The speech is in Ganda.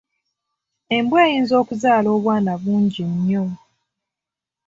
Embwa eyinza okuzaala obwana bungi nnyo.